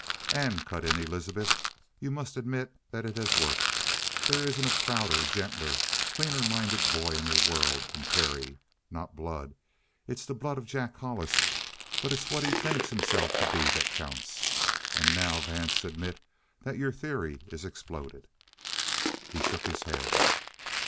'" "And," cut in Elizabeth, "you must admit that it has worked. There isn't a prouder, gentler, cleaner minded boy in the world than Terry. Not blood. It's the blood of Jack Hollis. But it's what he thinks himself to be that counts. And now, Vance, admit that your theory is exploded." He shook his head.